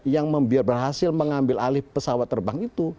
yang berhasil mengambil alih pesawat terbang itu